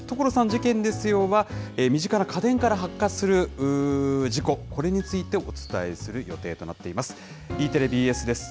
事件ですよは、身近な家電から発火する事故、これについてお伝えする予定となっています。